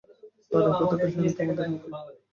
তারই কথাটা শুনি তোমার মুখে।